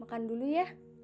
makan dulu ya